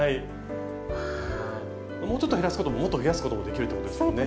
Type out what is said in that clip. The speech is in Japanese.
もうちょっと減らすことももっと増やすこともできるってことですね。